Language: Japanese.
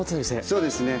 そうですね。